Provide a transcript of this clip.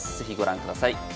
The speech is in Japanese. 是非ご覧ください。